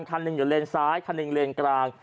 คันหนึ่งอยู่เลนซ้ายคันหนึ่งเลนกลาง